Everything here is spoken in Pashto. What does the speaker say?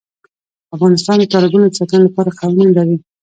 افغانستان د تالابونه د ساتنې لپاره قوانین لري.